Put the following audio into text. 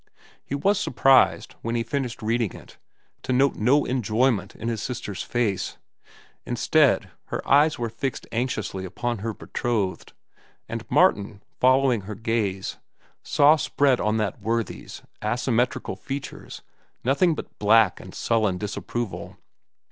He was surprised, when he finished reading it, to note no enjoyment in his sister's face. Instead, her eyes were fixed anxiously upon her betrothed, and Martin, following her gaze, saw spread on that worthy's asymmetrical features nothing but black and sullen disapproval.